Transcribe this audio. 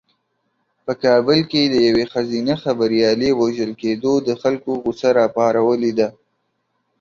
په کابل کې د یوې ښځینه خبریالې وژل کېدو د خلکو غوسه راپارولې ده.